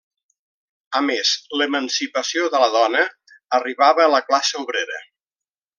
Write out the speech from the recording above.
A més, l'emancipació de la dona arribava a la classe obrera.